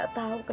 lu selalu megit